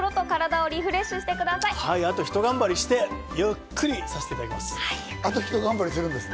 あとひと頑張りして、ゆっくりさせていただきます。